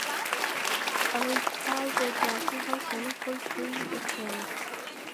ئەوەی چاڵ بۆ براکەی هەڵکەنێ خۆی تێی دەکەوێ !